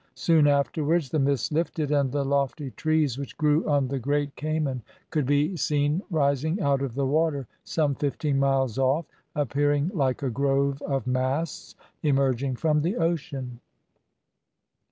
Soon afterwards the mist lifted, and the lofty trees which grew on the great Cayman could be seen rising out of the water some fifteen miles off, appearing like a grove of masts emerging from the ocean.